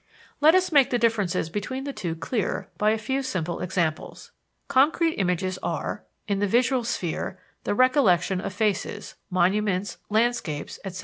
Let us make the differences between the two clear by a few simple examples. Concrete images are: In the visual sphere, the recollection of faces, monuments, landscapes, etc.